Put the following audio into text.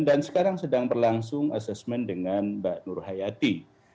dan sekarang sedang berlangsung asesmen dengan mbak nur hayati